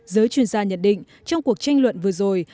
giới chuyên gia nhận định trong cuộc tranh luận vừa rồi